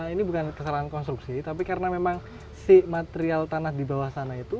ini bukan kesalahan konstruksi tapi karena memang si material tanah di bawah sana itu